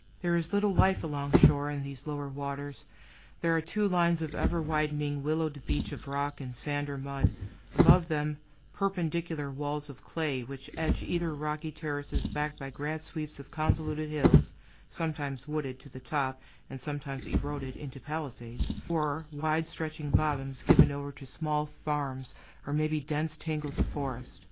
There is little life along shore, in these lower waters. There are two lines of ever widening, willowed beach of rock and sand or mud; above them, perpendicular walls of clay, which edge either rocky terraces backed by grand sweeps of convoluted hills, sometimes wooded to the top, and sometimes eroded into palisades, or wide stretching bottoms given over to small farms or maybe dense tangles of forest.